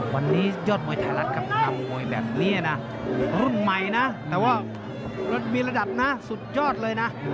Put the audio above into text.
วันนี้ยอดมวยไทยรัฐครับทำมวยแบบนี้นะรุ่นใหม่นะแต่ว่ามีระดับนะสุดยอดเลยนะ